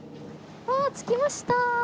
ああ着きました。